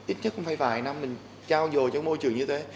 ít nhất cũng phải vài năm mình trao dội trong môi trường như thế